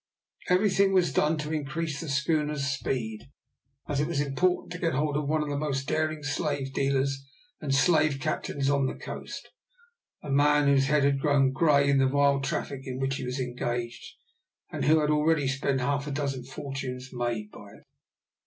Everything was done to increase the schooner's speed, as it was important to get hold of one of the most daring slave dealers and slave captains on the coast a man whose head had grown grey in the vile traffic in which he was engaged, and who had already spent half a dozen fortunes made by it.